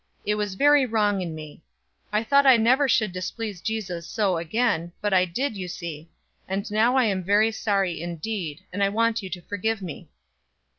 It was very wrong in me. I thought I never should displease Jesus so again, but I did, you see; and now I am very sorry indeed, and I want you to forgive me."